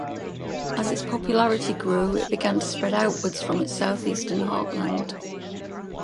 As its popularity grew, it began to spread outwards from its south-eastern heartland.